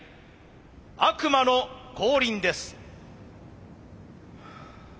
悪魔の降臨です。